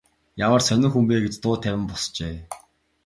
Ямар сонин хүн бэ гэж дуу тавин босжээ.